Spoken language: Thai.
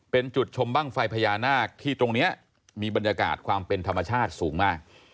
เป็นจุดชมบ้างไฟพญานาคที่ตรงนี้มีบรรยากาศความเป็นธรรมชาติสูงมาก